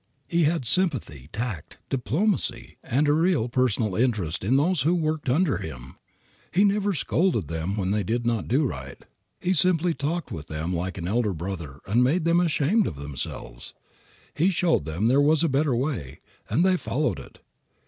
He had sympathy, tact, diplomacy, and a real personal interest in those who worked under him. He never scolded them when they did not do right; he simply talked with them like an elder brother and made them ashamed of themselves. He showed them there was a better way, and they followed it.